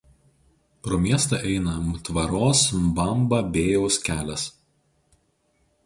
Pro miestą eina Mtvaros–Mbamba Bėjaus kelias.